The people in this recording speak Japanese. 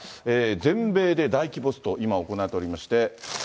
全米で大規模スト、今行われておりまして。